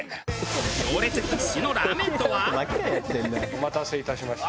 お待たせいたしました。